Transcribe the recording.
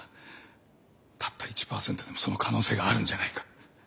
たった１％でもその可能性があるんじゃないか。